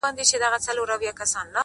لکه کنگل تودو اوبو کي پروت يم ـ